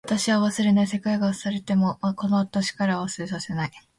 私は忘れない。世界が忘れてもこの私からは忘れさせない。